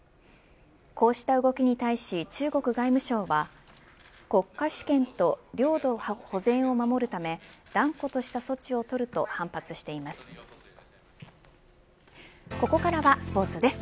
こうした動きに対し中国外務省は国家主権と領土保全を守るため断固とした措置をとると反発しています。